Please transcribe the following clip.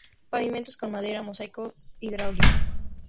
Pavimentos con madera y mosaico hidráulico.